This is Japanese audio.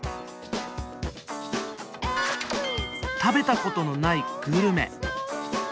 食べたことのないグルメ。